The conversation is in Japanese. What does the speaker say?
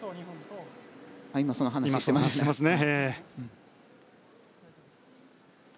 今、その話をしていましたね。